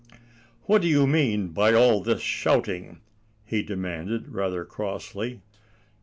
"What do you mean by all this shouting?" he demanded rather crossly.